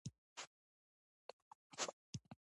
د کندهار په میوند کې د مالګې نښې شته.